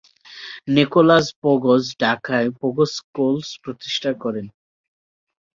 Nicolas Pogose ঢাকায় Pogose school প্রতিষ্ঠা করেন।